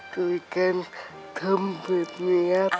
ช่วยกันทำฟื้นเงียบ